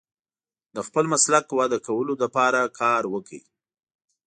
د خپل مسلک وده کولو لپاره کار وکړئ.